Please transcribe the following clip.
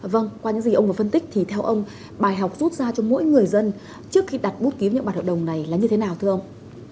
vâng qua những gì ông vừa phân tích thì theo ông bài học rút ra cho mỗi người dân trước khi đặt bút ký những bản hợp đồng này là như thế nào thưa ông